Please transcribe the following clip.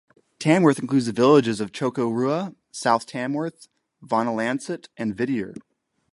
Tamworth includes the villages of Chocorua, South Tamworth, Wonalancet, and Whittier.